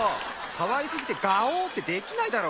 かわいすぎてガオッてできないだろ！